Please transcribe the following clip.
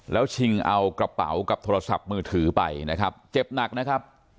แล้วชิงเอากระเป๋ากับโทรศัพท์มือถือไปนะครับเจ็บหนักนะครับ